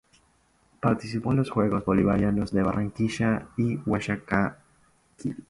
Participó en los Juegos Bolivarianos de Barranquilla y Guayaquil.